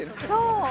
そう！